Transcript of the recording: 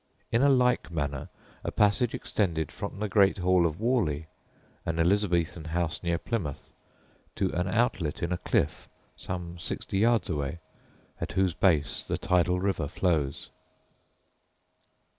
In a like manner a passage extended from the great hall of Warleigh, an Elizabethan house near Plymouth, to an outlet in a cliff some sixty yards away, at whose base the tidal river flows.